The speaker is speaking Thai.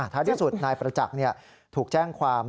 ท้ายที่สุดนายประจักษ์ถูกแจ้งความ